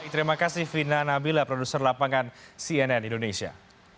terima kasih vina nabila produser lapangan cnn indonesia